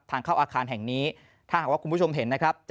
ทางเข้าอาคารแห่งนี้ถ้าหากว่าคุณผู้ชมเห็นนะครับ